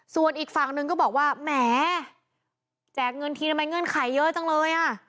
ส่วนอีกฝั่งหนึ่งก็บอกว่าแหมแจกเงินทีทำไมเงื่อนไขเยอะจังเลยอ่ะ